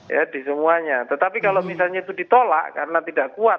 ya di semuanya tetapi kalau misalnya itu ditolak karena tidak kuat